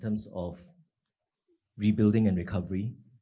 dalam hal pembangunan dan penyelamatkan